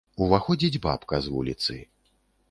Уваходзіць бабка з вуліцы.